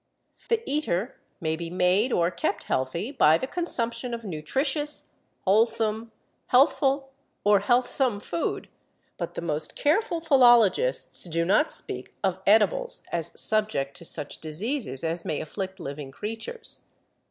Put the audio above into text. The eater may be made or kept healthy by the consumption of nutritious, wholesome, healthful or healthsome food; but the most careful philologists do not speak of edibles as subject to such diseases as may afflict living creatures.